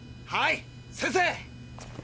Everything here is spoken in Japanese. はい先生！